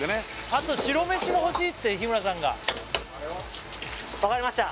あと白飯も欲しいって日村さんがわかりました